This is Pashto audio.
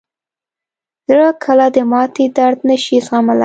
زړه کله د ماتې درد نه شي زغملی.